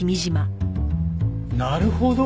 なるほど！